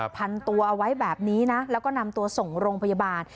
พันตัวเอาไว้แบบนี้นะแล้วก็นำตัวส่งโรงพยาบาล